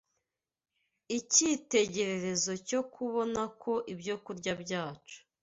icyitegererezo cyo kubona ko ibyokurya byacu